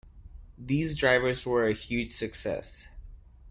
These drivers were a huge success.